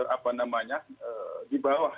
apa namanya di bawah